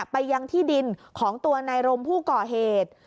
ไปยังที่ดินของตัวนายรมผู้ก่อเหตุ